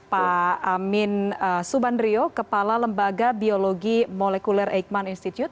pak amin subandrio kepala lembaga biologi molekuler eijkman institute